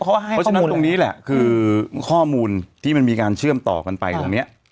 เพราะฉะนั้นตรงนี้แหละคือข้อมูลที่มันมีการเชื่อมต่อกันไปตรงนี้